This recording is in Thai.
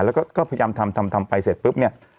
แล้วก็พยายามทำทำไปเสร็จปุ๊บเนี่ย